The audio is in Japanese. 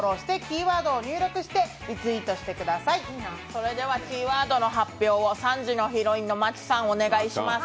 それではキーワードの発表を３時のヒロインの麻貴さんお願いします。